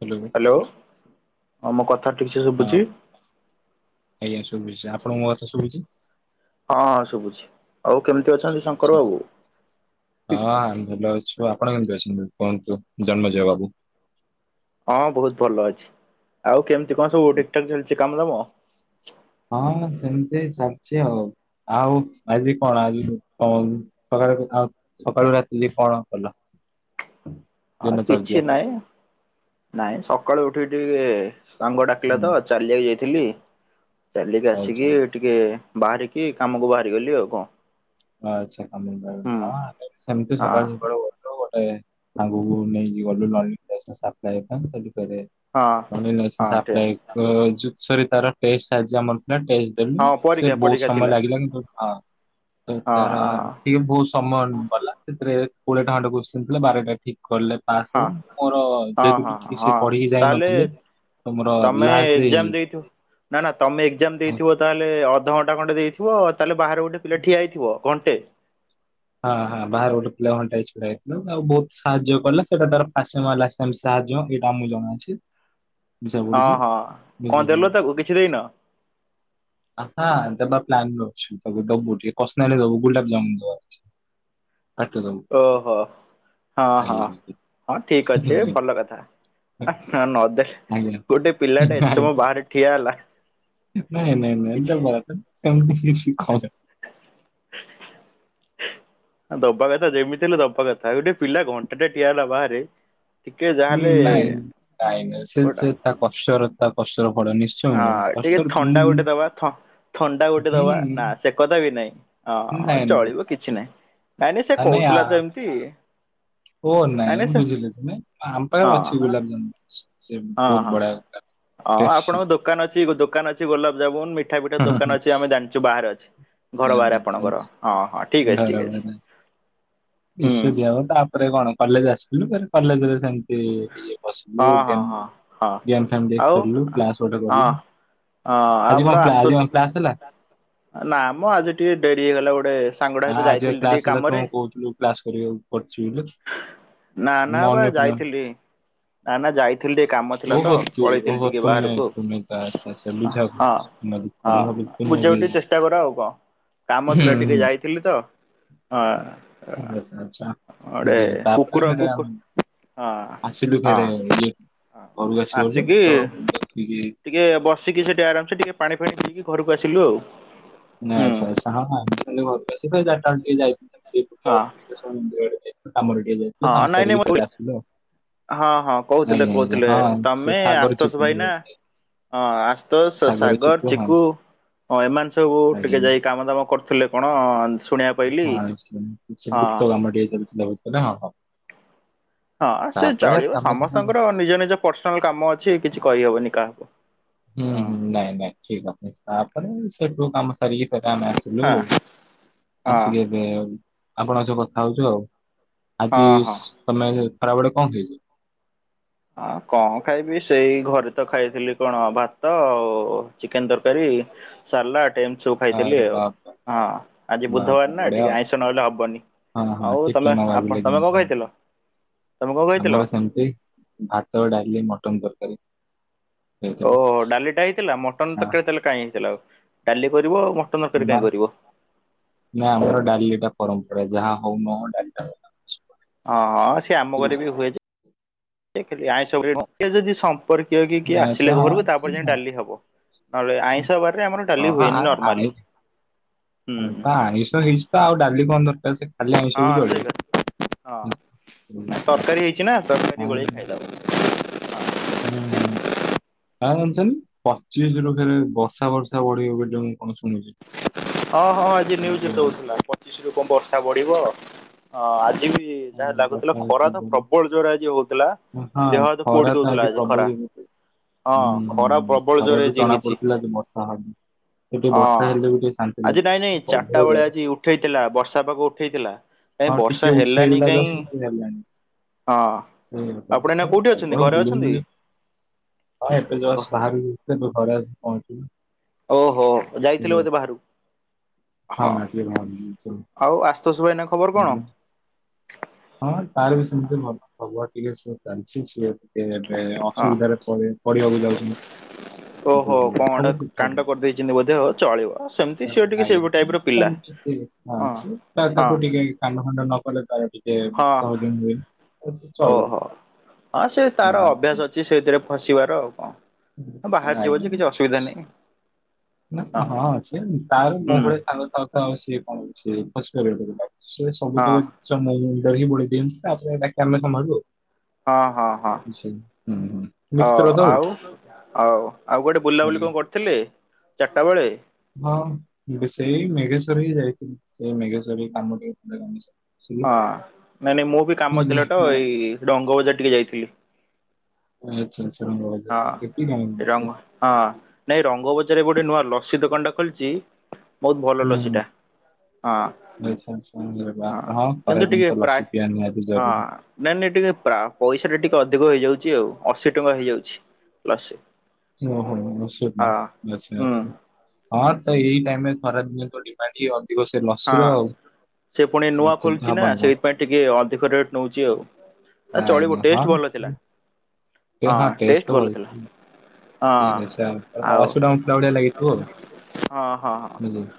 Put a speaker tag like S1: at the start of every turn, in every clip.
S1: Hello
S2: hello ହଁ ମୋ କଥା ଠିକ୍ ସେ
S1: ହଁ
S2: ଶୁଭୁଛି।
S1: ଆଜ୍ଞା ଶୁଭୁିଛି। ଆପଣଙ୍କ ମୋ କଥା ଶୁବୁଛି।
S2: ହଁ ଶୁଭୁଛି। ଆଉ କେମ୍ତି ଅଛନ୍ତି ଶଙ୍କର୍
S1: ଆଚ୍ଛା।
S2: ବାବୁ।
S1: ହଁ ଆମେ ଭଲ ଅଛୁ ଆପଣ କେମ୍ତି ଅଛନ୍ତି କୁହନ୍ତୁ ଜମଜ ବାବୁ।
S2: ହଁ ବହୁତ ଭଲ ଅଛି ଆଉ କେମ୍ତି କଣ ସବୁ ଠିକ୍ ଠାକ୍ ଚାଲିଛି କାମଦାମ।
S1: ହଁ ସେମ୍ତି ଚାଲ୍ଚି ଆଉ। ଆଉ ଆଜି କଣ ଆଜି କଣ ସକାଳେ କଥା ସକାଳୁ ରାତିି ଯାଏ କଣ କଲ।
S2: [inaudible] ହଁ
S1: ଦିନ ଚର୍ଯ୍ୟା?
S2: କିଛି ନାଇଁ ନାଇଁ ସକାଳୁ ଉଠିକି ଟିକେ ସାଙ୍ଗ ଡାକିଲା
S1: ହୁଁ
S2: ତ। ଚାଲିବାକୁ ଯାଇଥିଲି ଚାଲିକି
S1: ଆଚ୍ଛା
S2: ଆସିକି ଟିକେ ବାହାରିକି କାମକୁ ବାହାରିଗଲି ଆଉ କଂ।
S1: ଆଚ୍ଛା କାମ କୁ ବାହାରି ହଁ ଆମେ ବି ସେମ୍ତି
S2: ହଁ
S1: ସକାଳୁ ସକାଳୁ ଗୋଟେ ସାଙ୍ଗକୁ ନେଇକି ଗଲୁ [unintelligible]
S2: ହଁ ହଁ
S1: ଓନେନେସେସ୍
S2: ଠିଆ
S1: ଆପ୍ଲାଏର ଯୋଉ ଛରି ତାର ଟେଷ୍ଟ ଆଜି ଆମର ଥିଲା ଟେଷ୍ଟ ଦେଲୁ
S2: ହଁ
S1: ସେ
S2: ପରୀକ୍ଷା
S1: ବହୁତ
S2: ପରୀକ୍ଷା
S1: ସମୟ
S2: ଥିଲା
S1: ଲାଗିଲାନି ହଁ
S2: ହଁ
S1: ତାର
S2: ହଁ
S1: ଟିକେ ବହୁତ ସମୟ ଗଲା ସେଥିରେ କୋଡ଼ିଏ ଟା ଖଣ୍ଡେ କୋସ୍ଚିନ୍ ଥିଲା ବାରଟା ଠିକ କଲେ। ପାସ
S2: ହଁ
S1: ହଉ ମୋର
S2: ହଁ
S1: ଯେହେତୁ
S2: ହଁ
S1: ଟିକ୍ ଠିକ୍ସେ
S2: ହଁ
S1: ପଢିକି
S2: ତାହେଲେ
S1: ଯାଇନଥିଲେ।
S2: ତମେ ଏକ୍ଜାମ୍ ଦେଇଥିବ। ନା ନା ତମେ ଏକ୍ଜାମ
S1: ହଁ
S2: ଦେଇଥିବ ତାହେଲେ ଅଧଘଣ୍ଟା ଖଣ୍ଡେ ଦେଇଥିବ ତାହେଲେ ବାହାରେ ଗୋଟେ ପିଲା ଠିଆ ହେଇଥିବ। ଘଣ୍ଟେ।
S1: ହଁ ହଁ ବାହାର ଗୋଟେ ପିଲା ଘଣ୍ଟା ଛିଡା ହେଇଥିଲା ଆଉ ବୋହୁତ ସାହାଯ୍ୟ କଲା ସେଟା ତାର ଫାଶେ ମାଲ ଆ ତାହେଲେ ସାହାଯ୍ୟ ଏଇଟା ଆମକୁ ଜଣା ଅଛି।
S2: ହଁ ହଁ କଣ
S1: ବୁଝିପାରିଲୁ।
S2: ଦେଲ ତାକୁ କିଛି ଦେଇନ।
S1: ଆସା ଦେବା ପ୍ଲାନ ରେ ଅଛୁ ତାକୁଦବୁ ଟିକେ ପରସୋନାଲ ଦବୁ ଗୋଲାପ ଜାମୁ ଦବାର ଅଛି। ପାଟିରେ ଦବୁ।
S2: ଓହୋ ହଁ ହଁ ହଁ ଠିକ ଅଛି ଭଲ କଥା। ଆ ନା ନଦେ ଗୋଟେ ପିଲାଟେ ଏତେ ସମୟ ବାହାରେ ଠିଆ ହେଲା କିଛି
S1: [unintelligible]
S2: [inaudible] ଆ ଦବା କଥା ଯେମିତି ହେଲେ ଦବା କଥା ଗୋଟେ ପିଲା ଘଣ୍ଟାଟେ ଠିଆ ହେଲା ବାହାରେ ଟିକେ
S1: ହୁଁ
S2: ଯାହାହେଲେ
S1: ନାଇଁ ନାଇଁ ନାଇଁ ସେ
S2: ଗୋଟା
S1: ସେ ତା କଷ୍ଟର ତା କଷ୍ଟର ଫଳ ନିସ୍ଚ
S2: ହଁ ଟିକେ ଥଣ୍ଡା ଗୋଟେ ଦବା ଥ ଥଣ୍ଡା ଗୋଟେ ଦବା
S1: ହୁଁ,
S2: ନା ସେକଥାବି ନାଇଁ ଅଁ
S1: ନାଇଁ ନାଇଁ
S2: ଚଳିବ କିଛି ନାହିଁ। ନାଇଁ ନାଇଁ ସେ କହୁଥିଲାତ ଏମିତି।
S1: ଫୋନ୍ ନାଇଁ ବୁଝିଲେ ତମେ ଆମ
S2: ହଁ
S1: ପାଖରେ ଅଛି ଗୁଲାପଜାମୁ ସେ
S2: ହଁ
S1: ବହୁତ
S2: ହଁ
S1: ବଢିଆ ଗୁଲାବଜାମୁନ
S2: ହ
S1: ଟେଷ୍ଟି
S2: ଆପଣଙ୍କ ଦୋକାନ ଅଛି ଦୋକାନ ଅଛି ଗୋଲାପଜାମୁନ୍ ମିଠା ପିଠା ଦୋକାନ ଅଛି ଆମେ ଜାଣିଚୁ ବାହାରେ ଅଛି। ଘର ବାହାରେ
S1: ଆଚ୍ଛା
S2: ଆପଣଙ୍କର
S1: ଆଚ୍ଛା
S2: ହଁ ହଁ ଠିକ୍ ଅଛି ଠିକ୍ ଅଛି। ହୁଁ
S1: ବିସିବି ଦିଆହବ ତାପରେ କଣ କଲେଜ୍ ଆସିଥିଲୁ ଫେରେ କଲେଜରେ ସେମି ଇ ଟିକେ
S2: ହଁ
S1: ବସିଲୁ
S2: ହଁ
S1: ଗେମ୍
S2: ହଁ ହଁ।
S1: ଗେମ୍ ଫେମ୍
S2: ଆଉ
S1: ଟିକେ ଖେଳିଲୁ
S2: ହଁ
S1: କ୍ଲାସ୍ ଗୋଟେ କଲୁ।
S2: ହଁ
S1: ଆଜି କଣ ପ୍ଲା ଆଜି କଣ କ୍ଲାସ ହେଲା?
S2: ଆ ନାମ ଆଜି ଟିକେ ଡେରି ହେଇଗଲା ଗୋଟେ ସାଙ୍ଗଟା ସହିତ
S1: ହଁ ଆଜିବା
S2: ଯାଇଥିଲି ଟିକେ
S1: କ୍ଲାସ୍ ହେଲା
S2: କାମରେ
S1: କଣ କହୁଥିଲୁ କ୍ଲାସ୍ କରିବାକୁ କରିଚି ବୋଲି?
S2: ନା ନା ବା
S1: ମନେ ପଡିଲାନି।
S2: ଯାଇଥିଲି ନା ନା ଯାଇଥିଲି ଟିକେ କାମ
S1: ଓହୋ
S2: ଥିଲାତ
S1: ତୁ
S2: ପଳେଇଥିଲି
S1: ଓହୋ
S2: ଟିକେ
S1: ତୁମେ
S2: ବାହାରକୁ
S1: ତୁମେ ତ ଆଚ୍ଛା ଆଚ୍ଛା
S2: ଆଉ
S1: ବୁଝା
S2: ହଁ। ହଁ
S1: ତୁମେ ବି- ତୁମେ
S2: ହଁ
S1: ଭାବିଲି ତୁମେ ବି
S2: ବୁଝିବାକୁ ଟିକେ
S1: ହୁଁ,
S2: ଚେଷ୍ଟା କର ଆଉ କଣ କାମ ଥିଲା ଟିକେ ଯାଇ ଥିଲିତ ହଁ।
S1: [unintelligible]
S2: ଗୋଟେ କୁକୁର କୁକୁର ହଁ
S1: ଆସିଲୁ
S2: ହଁ।
S1: ଫରେ ଇଏ
S2: ହଁ।
S1: ଘରୁ ଆସିିଗଲୁ
S2: ଆସିକି
S1: ତ ବସିକି
S2: ଟିକେ ବସିକି ସେଠି ଆରାମେସ୍ ଟିକେ ପାଣି ଫାଣି ପଇକି ଘରକୁ ଆସିଲୁ ଆଉ। ହୁଁ
S1: ଆଛା ଆଛା ହଁ ହଁ ଆମେବି କାଲି ଘରକୁ ଆସିବେ ଚାରିଟା ବେଳେ ଟିକେ ଯାଇ
S2: ହଁ।
S1: ଦେଶ ମନ୍ଦିର ଆଡ଼େ ଯାଇଥିଲା କାମରେ ଟିକେ ଯାଇଥିଲୁ
S2: ହଁ ନାଇଁ ନାଇଁ
S1: କାମସାରିକି ଫେରେ ଆସିଲୁ ଆଉ।
S2: ହଁ ହଁ କହୁଥିଲେ
S1: ଆଜ୍ଞା ଆଜ୍ଞା
S2: କହୁଥିଲେ
S1: ହଁ ସେ
S2: ତମେ
S1: ସାଗର ଚିକୁ
S2: ଆସ୍ତଷ
S1: ମୋ
S2: ଭାଇନା
S1: ଭାଇ।
S2: ହଁ ଆସ୍ତଷ ସେ ସାଗର ଚିକୁ ହଁ ଏମାନେ ସବୁ
S1: ଆଜ୍ଞା
S2: ଟିକେ ଯାଇ କାମ ଦାମ କରିୁଥିଲେ କଣ ଶୁଣିବା
S1: ହଁ [unintelligible] ଗୁପ୍ତ କାମ ଟିକେ ଚାଲିଥିଲା ବୋଧେନା ହଁ ହଁ।
S2: ହଁ
S1: ତାପରେ
S2: ସେଚଳିବ
S1: ଆମେ ସବୁ
S2: ସମସ୍ତଙ୍କର ନିଜ ନିଜ ପର୍ସନାଲ୍ କାମ ଅଛି କିଛି କହିହବନି କାହାକୁ।
S1: ହୁଁ ହୁଁ ନାଇଁ ନାଇଁ ଠିକ୍ କଥା ତାପରେ ସେଠୁ କାମ ସାରିକି ସେଟା ଆମେ ଆସିଲୁ
S2: ହଁ ହଁ
S1: ଆସିକି ଏବେ ଆପଣଙ୍କ ସହ କଥା ହଉଚୁ ଆଉ। ଆଜି
S2: ହଁ ହଁ।
S1: ତମେ ଖରାବେଳେ କଣ ଖାଇଛ?
S2: ହଁ କଣ ଖାଇବି ସେଇ ଘରେତ ଖାଇଥିଲି କଣ ଭାତ ଆଉ ଚିକେନ୍ ତରକାରୀ ସାଲାଟ୍ ଏମିତି ସବୁ ଖାଇଥିଲି
S1: ଆରେ
S2: ଆଉ
S1: ବାପରେ
S2: ହଁ ଆଜି
S1: ବାପରେ
S2: ବୁଧବାରେନା
S1: ବଢିଆ
S2: ଟିକେ ଆଇଁଷ ନହେଲେ ହବନି।
S1: ହଁ ହଁ
S2: ଆଉ
S1: ଟିକେ
S2: ତମେ
S1: ନ ବାଜିଲେ
S2: ଆପ ତମେ
S1: କେମିତି
S2: କଣ
S1: ହବ।
S2: ଖାଇଥିଲ? ତମେ କଣ ଖାଇଥିଲ?
S1: ଆମର ସେମିତି ଭାତ ଡ଼ାଲି ମଟନ୍ ତରକାରୀ। ଖାଇଥିଲୁ।
S2: ଓହୋ ଡାଲିଟା ହେଇଥିଲା ମଟନ୍
S1: ହଁ
S2: ତରକାରୀ ତାହେଲେ କାଇଁ ହେଇଥିଲା ଆଉ ଡାଲି କରିବ ଆଉ ମଟନ୍ ତରକାରୀ କାଇଁ କରିବ।
S1: ନାଁ ଆମର ଡାଲିଟା ପରମ୍ପରା ଯାହା ହଉ ନଉ ଡାଲି
S2: ହଁ ହଁ ସେ ଆମ ଘରେବି ହୁଏଯେ [unintelligible] ଆଇଁଷ ଯଦି [unintelligible] ପରେ କିଏ କିଏ
S1: ଆଚ୍ଛା
S2: ଆସିଲେ
S1: ହଁ
S2: ଘରକୁ ତାପରେ ଯାଇ
S1: ଆସିବ।
S2: ଡାଲି ହବ। ନହେଲେ ଆଇଁଷ ବାରିରେ ଆମର ଡାଲି ହୁଏନି ନର୍ମାଲି। ହୁଁ
S1: ଆମରତ ଆଇଁଷ ହେଇଚିତ ଆଉ ଡାଲି କଣ ଦରକାର୍ ସେ କାଲି
S2: ହଁ
S1: ଆଇଁଷବି
S2: ସେଇ
S1: ଚଳିବ
S2: କଥା। ହଁ ତରକାରୀ ହେଇଛି ନା ତରକାରୀ
S1: ଆଉ
S2: ଗୋଳେଇ ଖାଇଦବ
S1: ହୁଁ ହୁଁ ଆଉ ଜାଣିଛନ୍ତି ପଚିଶିରୁ ଫେରେ ବର୍ଷା ବର୍ଷା ବଢିିବ ବୋଲି ଯୋ କଣ ଶୁଣୁଚି?
S2: ହଁ ହଁ ଆଜି ନ୍ୟୁଜ ଦଉଥିଲା ପଚିଶିରୁ କଣ ବର୍ଷା ବଢ଼ିବ। ହଁ ଆଜିବି
S1: ହଁ,
S2: ଯାହା
S1: ବର୍ଷା
S2: ଲାଗୁଥିଲା
S1: ବର୍ଷା
S2: ଖରାତ
S1: ବଢିବ
S2: ପ୍ରବଳ ଜୋରେ ଆଜି ହଉଥିଲା।
S1: ହଁ
S2: ଦେହ ହାତ ପୋଡି
S1: ଖରା ତ
S2: ଦଉଥିଲା
S1: ଆଜି ପ୍ରବଳ
S2: ଖରା
S1: ଯେମିତି
S2: ହଁ ଖରା
S1: ହୁଁ
S2: ପ୍ରବଳ ଜୋରରେ
S1: ଖରାଠୁ
S2: ଆଜି
S1: ଜଣା
S2: ହେଇଛି।
S1: ପଡୁଥିଲା ଆଜି ବର୍ଷା ହ
S2: ହଁ ଆଜି ନାଇଁ ନାଇଁ ଚାରିଟା
S1: ପ୍ରବଳ
S2: ବେଳେ ଆଜି ଉଠେଇଥିଲା ବର୍ଷା ପାଗ ଉଠେଇଥିଲା। କାଇଁ
S1: ହଁ ଟିକେ
S2: ବର୍ଷା ହେଲାନି
S1: ଉଠେଇଦେଲା
S2: କାଇଁ
S1: ଜଷ୍ଟ ସେ ହେଲାଣି।
S2: ହଁ। ଆପଣ ଏଇନା କୋଉଠି ଅଛନ୍ତି ଘରେ ଅଛନ୍ତି?
S1: [unintelligible] ହଁ ଏବେ ଯଶ୍ ବାହାର ତୁ ଘରେ ଆସ ପହଞ୍ଚିଲି।
S2: ଓହୋ ଯାଇଥିଲେ
S1: ହଁ
S2: ବୋଧେ
S1: ଟିକେ
S2: ବାହାରକୁ।
S1: ଭାବିଲି
S2: ଆଉ ଆଶୁତୋଷ ଭାଇନା ଖବର କଣ।
S1: ହଁ ତାର ବି ସେମିତି ଭଲ ଖବର ଠିକ୍ ସେ ଚାଲିଛି ସିଏ ସେ ଏବେ
S2: ହଁ
S1: ଅସୁବିଧାରେ ପଡ଼ି ପଡ଼ିବାକୁ ଯାଉଛନ୍ତି।
S2: ଓହୋ
S1: [unintelligible]
S2: କଣ ଗୋଟେ କାଣ୍ଡ କରିଦେଇଛନ୍ତି ବୋଧେ ହଉ ଚଳିବ ସେମିତି ସିଏ ଟିକେ ସେଇ ଟାଇପ୍ ର ପିଲା
S1: ହଁ ସେ ତା
S2: ହଁ
S1: ତାକୁ ଟିକେ କାଣ୍ଡ ଫାଣ୍ଡ ନ କଲେ ତାର ଟି କେ
S2: ହଁ
S1: ଭାତ ହଜମ୍ ହୁଏନି ଅ ସେ
S2: ଓହୋ
S1: ଚଳିବ
S2: ହଁ ତାର ଅଭ୍ୟାସ
S1: [unintelligible]
S2: ସେ ସେଇଥିରେ ଫସିବାର ଆଉ କଣ ବାହାରି ଯିବ ଯେ କିଛି
S1: ଆଜ୍ଞା।
S2: ଅସୁବିଧା ନାହିଁ।
S1: ନା ହଁ ସେ ତାର
S2: ହୁଁ
S1: ମୋ ଭଳିଆ ସାଙ୍ଗ ଥାଉ ଥାଉ ସିଏ କଣ ସେ ଫସିପାରିବ କେବେ। ସେ
S2: ହଁ
S1: ସବୁତକ ଜିନିଷ ମୋ ମୁଣ୍ଡରେ ହିଁ ବୋଳିଦିଅନ୍ତି ତାପରେ ବାକି ଆ ସମ୍ଭାଳିବୁ ଆଉ।
S2: ହଁ ହଁ ହଁ।
S1: ହୁଁ ହୁଁ।
S2: ହ ଆଉ ଆଉ ଆଉ କୁଆଡେ
S1: ହେଲେ
S2: ବୁଲାବୁଲି କଣ କର ଥିଲେ ଚାରିଟା ବେଳେ।
S1: ହଁ ଏବେ ସେଇ ମେଘେଶ୍ୱର ହିଁ ଯାଇଥିଲି ସେଇ ମେଘେଶ୍ଵର ରେ କାମ ଟିକେ [unintelligible]
S2: ହଁ ନାଇଁ ନାଇଁ ମୁଁ ବି କାମ
S1: ବୁଝିଲେ?
S2: ଥିଲା ଟ
S1: ହଁ।
S2: ଏଇ ଡଙ୍ଗ ବଜାର ଟିକେ ଯାଇଥିଲି।
S1: ଆଚ୍ଛା ଆଛା।
S2: ହଁ ଏଇ ରଙ୍ଗ ହଁ ନାଇଁ ରଙ୍ଗ ବଜାରରେ ଗୋଟେ ନୂଆ ଲସି ଦୋକାନ ଟା ଖୋଲିଛି। ବହୁତ୍ ଭଲ
S1: ହୁଁ ହୁଁ
S2: ଲସିଟା। ହଁ
S1: ଆଚ୍ଛା ଆଚ୍ଛା ଆରେ
S2: ହଁ
S1: ବାପରେ
S2: କିନ୍ତୁ
S1: ଖରାଦିନ
S2: ଟିକେ
S1: ତ
S2: ପ୍ରାଇ
S1: ଲସି ପିଇବା ନିହାତି
S2: ହଁ।
S1: ଜରୁରୀ।
S2: ନାଇଁ ନାଇଁ ଟିକେ ପ୍ରା ପଇସା ଟା ଟିକେ ଅଧିକ ହେଇଯାଉଛି ଆଉ ଅଶୀ ଟଙ୍କା ହେଇଯାଉଛି ଲସି।
S1: ଓହୋ ଅଶି ଟଙ୍କା
S2: ହଁ
S1: ଲସି
S2: ହୁଁ
S1: ଅଶି ହଁ ସେ ଏଇ ଟାଇମ୍ ରେ ଖରା ଦିନେ ତ ଟି ତାର ଟିକେ ଅଧିକ ସେ ଲସିର
S2: ହଁ
S1: ଆଉ
S2: ସେ ପୁଣି
S1: ଆ
S2: ନୂଆ
S1: ତ
S2: ଖୋଲିଛି ନା
S1: ହବନି କଣ।
S2: ସେଇଥିପାଇଁ ଟିକେ ଅଧିକ ରେଟ୍ ନଉଚି ଆଉ। ଚଳିବ
S1: ଅଜ୍ଞା ହଁ
S2: ଟେଷ୍ଟ ଭଲ ଥିଲା।
S1: ସେ ଟେ ହଁ ଟେଷ୍ଟ ତ ଭଲ ଥିଲା।
S2: ହଁ
S1: ଠିକ୍ ଅଛି ଆପଣ
S2: ଆଉ
S1: ଅଶି ଟଙ୍କା ପିଇଲା ଭଳିଆ ଲାଗିଥିବ ଆଉ
S2: ହଁ ହଁ ହଁ।
S1: [unintelligible] ଅଜ୍ଞା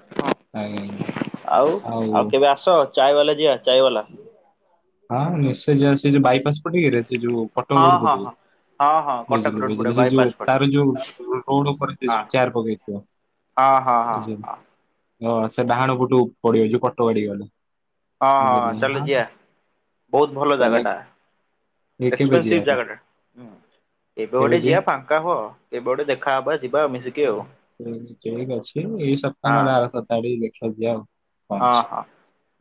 S1: ଅଜ୍ଞା।
S2: ଆଉ ଆଉ କେବେ ଆସ ଚାଏ ବାଲା ଯିବା ଚାଏ ବାଲା।
S1: ହଁ ନିଶ୍ଚୟ ଯିବା ସେ ଯୋଉ ବାଇପାସ୍ ପଟେ କିରେ ସେ ଯୋଉ କଟକ
S2: ହଁ
S1: ରୋଡ
S2: ହଁ
S1: ପଟେ।
S2: ହଁ ହଁ ହଁ କଟକ
S1: ବୁଝିଲି
S2: ରୋଡ ପଟେ
S1: ବୁଝିଲି ସେ ଯୋଉ
S2: ବାଇପାସ୍ ପଟେ
S1: ତାର ଯୋଉ ରୋଡ ଉପରେ ସେ
S2: ହଁ।
S1: ଯୋଉ ଚେୟାର ପକେଇଥିବ।
S2: ହଁ ହଁ ହଁ ହଁ।
S1: ଓ ସେ ଡାହାଣ ପଟକୁ ପଡିବ ଯୋଉ କଟକ ଆଡିକି ଗଲେ।
S2: ହଁ ହଁ ଚାଲୁ ଯିବା। ବହୁତ୍ ଭଲ
S1: ତାହେଲେ
S2: ଜାଗାଟା
S1: ଏ କେବେ ଯିବା
S2: ଏକ୍ସପେନସିଭ୍
S1: କୁହ
S2: ଜାଗାଟା ହୁଁ। କେବେ ଗୋଟେ ଯିବା ଫାଙ୍କା ହୁଅ କେବେ ଗୋଟେ ଦେଖାହବ ଯିବା ଆଉ ମିଶିକି ଆଉ
S1: ଠିକ୍ ଅଛି ଏଇ ସପ୍ତାହ
S2: ହଁ
S1: ନହେଲେ ଆର ସପ୍ତାହ ଆଡିକି ଦେଖିବା ଯିବା ଆଉ। କଣ
S2: ହଁ
S1: ଅଛି
S2: ହଁ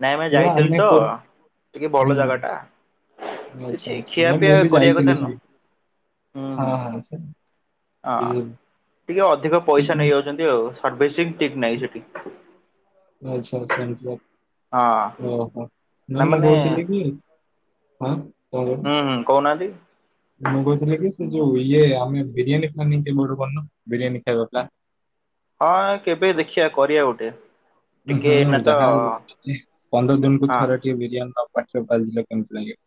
S2: ନାଇଁ ଭାଇ
S1: ଯିବା
S2: ଯାଇଥିଲି
S1: ଆମେ
S2: ତ
S1: କୋ-
S2: ଟିକେ
S1: ହୁଁ
S2: ଭଲ ଜାଗା ଟା।
S1: ଆଚ୍ଛା
S2: କିଛି
S1: ଆଚ୍ଛା ନାଇଁ ମୁଁ
S2: ଖିଆପିଆ
S1: ବି
S2: କରିବା
S1: ଯାଇଥିଲି
S2: କଥା ନୁହ
S1: ସେଠି
S2: ହୁଁ
S1: ହଁ
S2: ହୁଁ।
S1: ହଁ ସେ
S2: ହଁ ଟିକେ ଅଧିକ ପଇସା ନେଇ
S1: ଇଗନୋ-
S2: ଯାଉଛନ୍ତି ଆଉ ସର୍ଭିସିଙ୍ଗ ଠିକ୍ ନାହିଁ ସେଠି।
S1: ଆଚ୍ଛା ଆଚ୍ଛା ଏମିତି
S2: ହଁ।
S1: ତାହେଲେ ଓହୋ ନା ମୁଁ କହୁଥିଲି କି ହଁ। କହିଲୁ?
S2: ହୁଁ ହୁଁ କହୁନାହାନ୍ତି।
S1: ମୁଁ କହୁଥିଲି କି ସେ ଯୋଉ ଇଏ ଆମେ ବିରିୟାନୀ ପ୍ଲାନିଙ୍ଗ କେବେ ଗୋଟେ କରୁନ ବିରିୟାନୀ ଖାଇବା ପ୍ଲାନ୍।
S2: ହଁ କେବେ ଦେଖିଆ କରିବା ଗୋଟେ। ଟିକେ
S1: ଉଁ
S2: ଏଇନା
S1: ହୁଁ
S2: ତ
S1: ଯାହାହେଲେ ପନ୍ଦର ଦିନକୁ
S2: ହଁ
S1: ଥରେ ଟିକେ ବିରିଆନି ନ ପାଟିରେ ବାଜିଲେ କେମିତି ଲାଗିବ?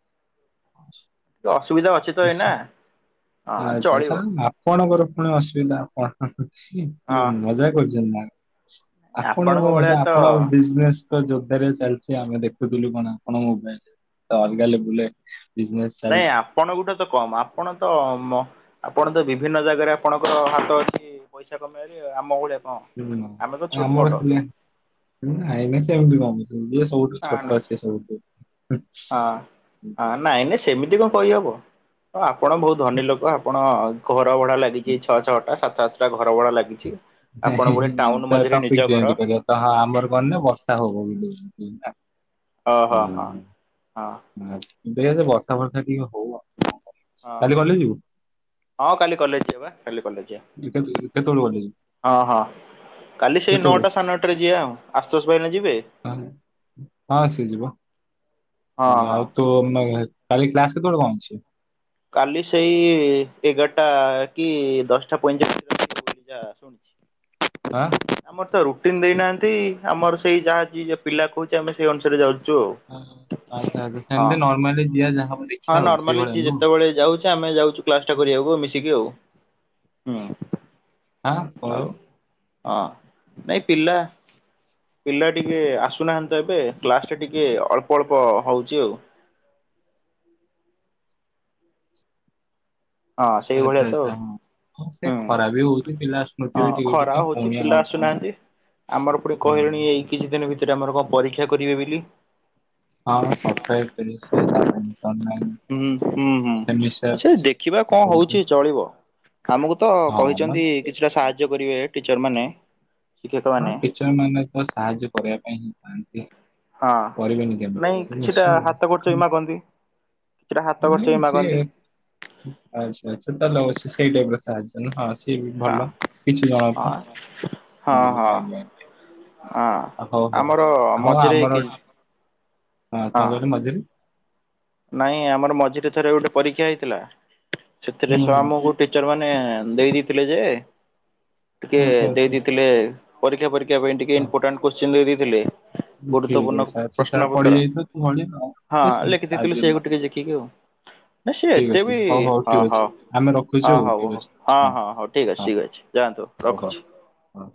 S2: ଟିକେ ଅସୁବିଧା ଅଛି ତ ଏଇନା ହଁ ଚଳିବ।
S1: କଣ ମୋର ପୁଣି ଅସୁବିଧା କଣ ମଜା କରୁଛନ୍ତି ନା?
S2: ଏ ଆପଣଙ୍କ ଭଳିଆ ତ
S1: ଆପଣ ଆଉ ବି ବିଜନେସ୍ ତ ଯୋରଦାରିଆ ଚାଲଚି ଆମେ ଦେଖୁଥୁଲୁ କଣ ଆପଣ ମୋବାଇଲରେ ଏ ଅଲଗା ଲାବୁଲରେ
S2: ନାଇ ଆପ୍ ଆପଣଙ୍କଠୁ ତ କମ୍ ଆପଣ ତ ଉ ମ ଆପଣ ତ ବିଭିନ୍ନ ଜାଗାରେ ଆପଣଙ୍କର ହାତ ଅଛି। ପଇସା କମେଇବାରେ ଆମ ଭଳିଆ କଣ।
S1: ହୁଁ
S2: ଆମେ ତ ଛୋଟ
S1: ଆମର
S2: ମୋଟ
S1: ସେଇଆ। ନାଇଁ ନାଇଁ ସେମତି [unintelligible] ଯିଏ ସବୁଠୁ
S2: ନା ନା।
S1: ଛୋଟ ସିଏ ସବୁଠୁ
S2: ହଁ ହଁ ନାଇଁ ନାଇଁ ସେମିତି କଣ କହିହବ ହ ଆପଣ ବୋହୁତ ଧନୀ ଲୋକ ଆପଣ ଘର ଭଡା ଲାଗିଚି ଛଅ ଛଅଟା ସାତ ସାତଟା ଘର ଭଡା ଲାଗିଚି।
S1: ନାହିଁ ତା ପାସିକି ଚେଞ୍ଜ କରିବା ତାହା ଆମର କଣ ନା ବର୍ଷା ହବ ବୋଲି ନା।
S2: ଓହୋ ହଁ ହଁ।
S1: ଆ ଦେଖେ ବର୍ଷା ବର୍ଷା ଟିକେ ହୋଉ ଆଉ
S2: ହଁ।
S1: କାଲି ଗଲେ ଯିବୁ?
S2: ହଁ କାଲି କଲେଜ ଯିବା ପା କାଲି କଲେଜ
S1: କେତେ- କେତେବେଳୁ କଲେଜ
S2: ଯିବା ହଁ ହଁ। କାଲି ସେଇ
S1: କେତେବେଳୁ?
S2: ନଅଟା ସାଢେ ନଅଟାରେ ଯିବା ଆଉ ଆଶୁତୋଷ ଭାଇନା ଯିବେ?
S1: ହଁ। ହଁ ସିଏ ଯିବ
S2: ହଁ ହଁ।
S1: ଆଉ ତୁମେ କାଲି କ୍ଲାସ କେତେବେଳେ କଣ ଅଛି?
S2: କାଲି ସେଇ ଏଗାରଟା କି ଦଶଟା ପଇଁଚାଳିଶରେ [inaudible] କଣ ହେଇଛି?
S1: ଆଁ?
S2: ଆମର ତ ରୁଟିନ ଦେଇନାହାନ୍ତି ଆମର ସେଇ ଯାହା ଯିଏ ପିଲା କୋହୁଚି ଆମେ ସେଇ ଅନୁସାରେ ଯାଉଚୁ।
S1: ଆଚ୍ଛା ଆଚ୍ଛା ସେମିତି ନର୍ମାଲି ଯିଆ ଯାହା ହବ
S2: ହଁ
S1: ଦେଖିବା ଆଉ
S2: ନର୍ମାଲି ଯିଏ
S1: ସେଇଭଳିଆ ନୁହଁ?
S2: ଯେତେବେଳେ ଯାଉଛେ ଆମେ ଯାଉଚୁ କ୍ଲାଟାଟା କରିବାକୁ ମିଶିକି ଆଉ ହୁଁ।
S1: ଆଁ କଣ
S2: ଆଉ
S1: କହିଲୁ?
S2: ହଁ ନାଇଁ ପିଲା ପିଲା ଟିକେ ଆସୁନାହାନ୍ତି ତ ଏବେ କ୍ଲାସଟା ଟିକେ ଅଳ୍ପ ଅଳ୍ପ ହୋଉଚି ଆଉ। ହଁ
S1: ଆଚ୍ଛା
S2: ସେଇଭଳିଆ ତ।
S1: ଆଚ୍ଛା ହଁ ହଁ ସେ
S2: ହୁଁ
S1: ଖରା ବି ହୋଉଚି ପିଲା
S2: ହଁ
S1: ଆସୁନଥିବେ ଟିକେ
S2: ଖରା
S1: ଟିକେ
S2: ହଉଛି
S1: ପୁଣି
S2: ପିଲା
S1: ଆଉ କଣ
S2: ଆସୁନାହାନ୍ତି। ଆମର ପଟେ କହିଲେଣି
S1: ହୁଁ।
S2: ଏଇ କିଛି ଦିନ ଭିତରେ ଆମର କଣ ପରୀକ୍ଷା କରିବେ ବୋଲି।
S1: ହଁ ସପ୍ତାହେ [unintelligible] ତା ପାଇଁ।
S2: ଉଁ ଉଁ ହୁଁ ହୁଁ
S1: ସେମିଷ୍ଟାର
S2: ଆଛା ଦେଖିବା କଣ
S1: କରିକି।
S2: ହୋଉଛି ଚଳିବ। କାମୁକୁ ତ
S1: ହଁ ମ
S2: କହିଛନ୍ତି କିଛିଟା ସାହାଯ୍ୟ କରିବେ ଟିଚରମାନେ ଶିକ୍ଷକମାନେ।
S1: ଟିଚରମାନେ ତ ସାହାଯ୍ୟ କରିବା ପାଇଁ ହିଁ ଥାଆନ୍ତି।
S2: ହଁ
S1: କରିବେନି
S2: ନାଇଁ
S1: କେମତି ସେ
S2: କିଛିଟା
S1: ନିଶ୍ଚିୟ
S2: ହାତ ଖର୍ଚ୍ଚ ବି ମାଗନ୍ତି କିଛିଟା ହାତ ଖର୍ଚ୍ଚ ବି
S1: ନାଇଁ ସିଏ
S2: ମାଗନ୍ତି।
S1: ଆଚ୍ଛା ଆଚ୍ଛା ତାହେଲେ ଅବଶ୍ୟ ସେଇ ଟାଇପର ସାହାଯ୍ୟ ନା ହଁ ସିଏ ବି ଭଲ କିଛି ଜଣଙ୍କ ପାଇଁ।
S2: ହ
S1: [inaudible] ପାଇଯାଏଁ
S2: ହଁ।
S1: ଆ ହୋଉ ହୋଉ
S2: ଆମର
S1: ଆ ହୋଉ
S2: ମଝିରେ
S1: ଆମର
S2: କି
S1: ଏ ହଁ କଣ କହିଲୁ ମଝିରେ?
S2: ନାଇଁ ଆମର ମଝିରେ ଥରେ ଗୋଟେ ପରୀକ୍ଷା ହେଇଥିଲା ସେଥିରେ
S1: ହୁଁ
S2: ସେ
S1: ହୁଁ
S2: ଆମ ଗୋ ଟିଚରମାନେ ଦେଇ ଦେଇଥିଲେ ଯେ ଟିକେ
S1: ଆଚ୍ଛା
S2: ଦେଇ
S1: ଆଚ୍ଛା
S2: ଦେଇଥିଲେ ପରୀକ୍ଷା ପରୀକ୍ଷା ପାଇଁ ଟିକେ
S1: ହଉ।
S2: ଇମ୍ପୋଟାଣ୍ଟ କୋଶ୍ଚିନ ଦେଇଥିଲେ
S1: ଠିକ୍
S2: ଗୁରୁତ୍ୱପୂର୍ଣ୍ଣ
S1: ଅଛି ଆଚ୍ଛା
S2: ପ୍ରଶ୍ନ
S1: ସାର୍
S2: ପତ୍ର
S1: ପଡିଯାଇଥିବ ତ ଭଳି ଆଉ
S2: ହଁ
S1: ସେ ସେମିତି
S2: ଲେଖିଦେଇ ଥିଲ ସେ
S1: ସାହାଯ୍ୟ
S2: ଗୋଟିକ ଦେଖିକି ଆଉ। ନାଇଁ ସିଏ
S1: ଠିକ୍
S2: ଏତେ
S1: ଅଛି
S2: ବି
S1: ହଉ ହଉ
S2: ହଁ
S1: ଠିକ୍ ଅଛି
S2: ହଁ
S1: ଆମେ ରଖୁଛୁ
S2: ହଁ
S1: ଆଉ
S2: ହୋଉ
S1: ଠିକ୍
S2: ହୋଉ
S1: ଅଛି ରଖୁଛୁ।
S2: ହଁ ହଁ ହୋଉ ଠିକଅଛି
S1: ହଁ
S2: ଠିକଅଛି ଯାଆନ୍ତୁ।
S1: ହଉ ହଉ
S2: ରଖୁଚି।
S1: ହଁ।